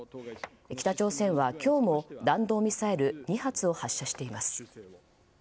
北朝鮮は今日も弾道ミサイル２発を発射しています。